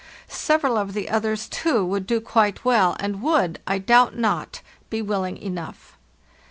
Several of the others, too, would do quite well, and would, I doubt not, be willing enough.